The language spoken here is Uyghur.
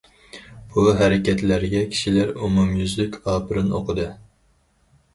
بۇ ھەرىكەتلەرگە كىشىلەر ئومۇميۈزلۈك ئاپىرىن ئوقۇدى.